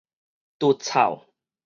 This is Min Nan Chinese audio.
揬臭